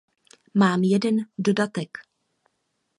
Mám jeden dodatek.